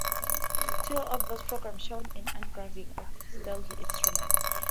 Two of those programmes show an engraving of Stadler's instrument.